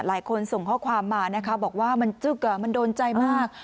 ส่งข้อความมานะคะบอกว่ามันจึ๊กมันโดนใจมาก